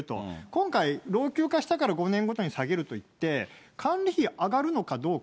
今回、老朽化したから５年ごとに下げるといって、管理費上がるのかどうか。